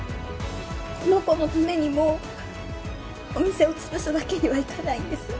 この子のためにもお店をつぶすわけにはいかないんです。